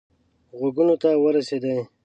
غوږونو ته ورسېدی.